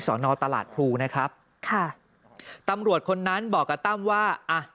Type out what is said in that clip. นอตลาดพลูนะครับค่ะตำรวจคนนั้นบอกกับตั้มว่าอ่ะ